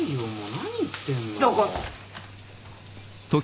何言ってんの？